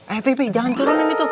eh pi pi jangan turunin itu